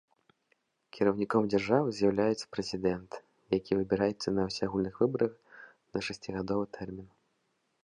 Кіраўніком дзяржавы з'яўляецца прэзідэнт, які выбіраецца на ўсеагульных выбарах на шасцігадовы тэрмін.